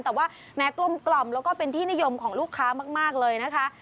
แต่ว่าแม้กลมแล้วก็เป็นที่นิยมของลูกค้ามากเลยนะคะ